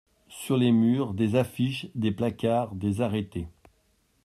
Sur les murs, des affiches, des placards, des arrêtés.